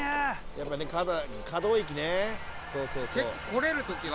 「やっぱね肩可動域ね」